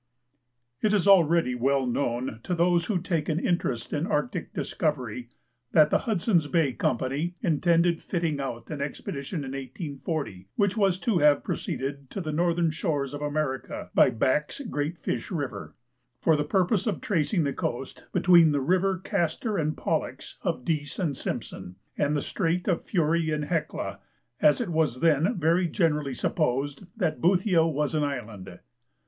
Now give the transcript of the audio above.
It is already well known to those who take an interest in Arctic discovery, that the Hudson's Bay Company intended fitting out an expedition in 1840, which was to have proceeded to the northern shores of America by Back's Great Fish River, for the purpose of tracing the coast between the river Castor and Pollux of Dease and Simpson, and the Strait of the Fury and Hecla, as it was then very generally supposed that Boothia was an island.